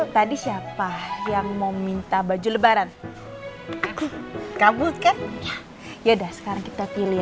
tadi siapa yang mau minta baju lebaran aku kaburkan yaudah sekarang kita pilih